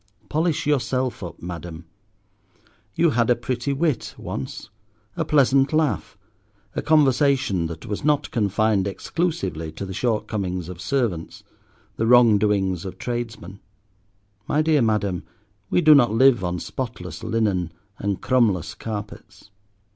Polish yourself up, Madam; you had a pretty wit once, a pleasant laugh, a conversation that was not confined exclusively to the short comings of servants, the wrong doings of tradesmen. My dear Madam, we do not live on spotless linen, and crumbless carpets.